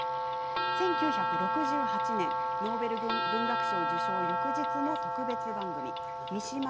１９６８年、ノーベル文学賞受賞翌日の特別番組です。